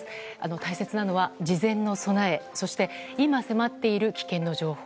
大切なのは事前の備えそして、今迫っている危険の情報。